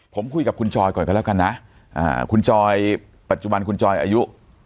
ผมคุยกับคุณจอยก่อนกันแล้วกันนะคุณจอยปัจจุบันคุณจอยอายุ